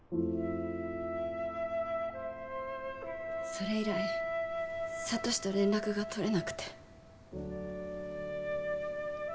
それ以来悟志と連絡が取れなくて。